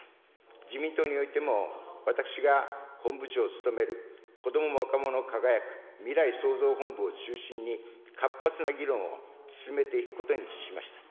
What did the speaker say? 自民党においても、私が本部長を務めるこども・若者輝く未来創造本部を中心に活発な議論を進めていくことにしました。